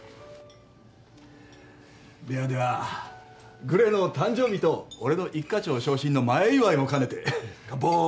ではではグレの誕生日と俺の一課長昇進の前祝いも兼ねて乾杯。